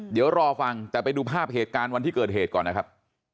เดี๋ยวรอฟังแต่ไปดูภาพเหตุการณ์วันที่เกิดเหตุก่อนนะครับ